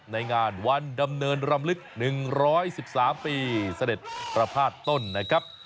ในงานวันดำเนินรำลึก๑๑๓ปีเสด็จประพาทต้นนะครับ